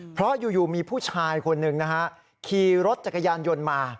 เพราะอยู่มีผู้ชายคนหนึ่งนะฮะขี่รถจักรยานยนต์มา